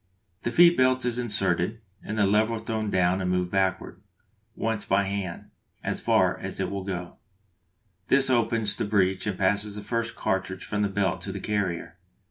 The feed belt is inserted, and the lever thrown down and moved backward once by hand as far as it will go; this opens the breech and passes the first cartridge from the belt to the carrier.